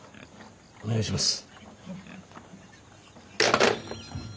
お願いします。